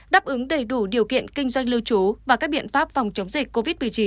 đáp ứng đầy đủ điều kiện kinh doanh lưu trú và các biện pháp phòng chống dịch covid một mươi chín